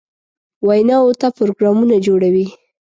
ویناوو ته پروګرامونه جوړوي.